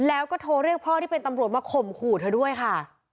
แล้วก็โทรเรียกพ่อที่เป็นตำรวจมาข่มขู่เธอด้วยค่ะ